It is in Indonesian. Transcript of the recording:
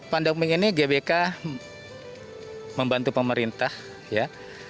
pandemi ini gbk membantu pemerintah ya